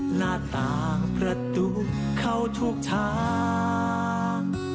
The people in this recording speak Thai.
หน้าต่างประตูเข้าทุกทาง